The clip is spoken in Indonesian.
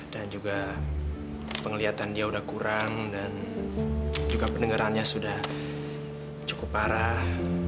dan juga penglihatan dia udah kurang dan juga pendengarannya sudah cukup parah